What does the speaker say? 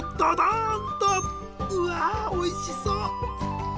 うわおいしそう！